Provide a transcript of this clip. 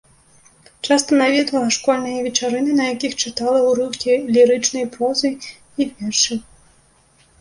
Часта наведвала школьныя вечарыны, на якіх чытала ўрыўкі лірычнай прозы і вершы.